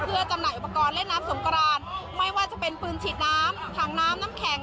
เพื่อจำหน่ายอุปกรณ์เล่นน้ำสงกรานไม่ว่าจะเป็นปืนฉีดน้ำถังน้ำน้ำแข็ง